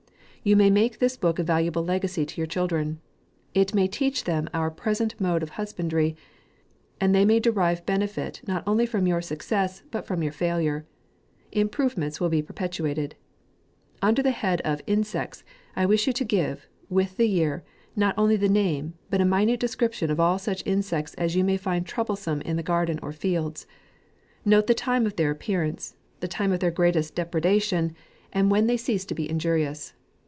You may make this book a valuable legacy to your children. It may teach them our present mode of hus bandry ; and they may derive benefit not on ly from your success, but from your failure. Improvements will be perpetuated. Under the head of " Insects," I wish you to give, with the year, not only the name, but a minute description of all such insecte as you may find troublesome in the garden or fields ; note the time of their appearance, the time of their greatest depredation, and 16 JANUARY • when they cease to be injurious.